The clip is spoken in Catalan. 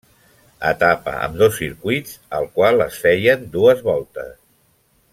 Etapa amb dos circuits al qual es feien dues voltes.